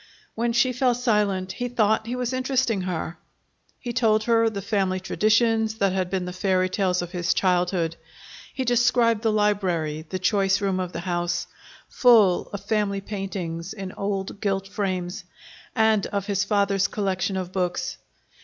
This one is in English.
When she fell silent, he thought he was interesting her. He told her the family traditions that had been the fairy tales of his childhood. He described the library, the choice room of the house, full of family paintings in old gilt frames, and of his father's collection of books.